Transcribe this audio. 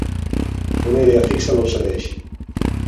Una idea fixa l'obsedeix.